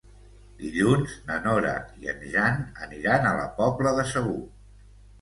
Dilluns na Nora i en Jan aniran a la Pobla de Segur.